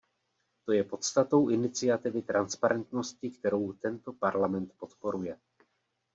To je podstatou iniciativy transparentnosti, kterou tento Parlament podporuje.